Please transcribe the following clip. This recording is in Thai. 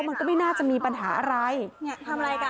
มันก็ไม่น่าจะมีปัญหาอะไรเนี่ยทำอะไรกัน